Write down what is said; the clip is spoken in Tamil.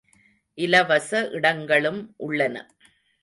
இலவச இடங்களும் உள்ளன.